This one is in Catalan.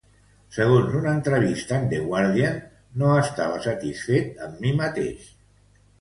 Segons una entrevista amb The Guardian: "No estava satisfet amb mi mateix".